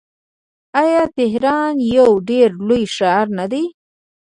آیا تهران یو ډیر لوی ښار نه دی؟